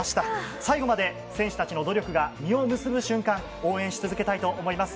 最後まで選手たちの努力が実を結ぶ瞬間応援し続けたいと思います。